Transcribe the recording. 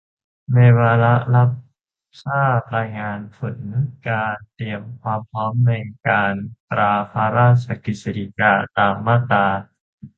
ในวาระรับทราบรายงานผลการเตรียมความพร้อมในการตราพระราชกฤษฎีกาตามมาตรา